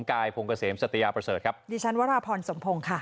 กายพงเกษมสัตยาประเสริฐครับดิฉันวราพรสมพงศ์ค่ะ